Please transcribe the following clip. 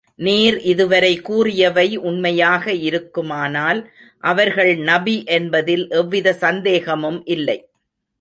நீர் இதுவரை கூறியவை உண்மையாக இருக்குமானால், அவர்கள் நபி என்பதில் எவ்விதச் சந்தேகமும் இல்லை.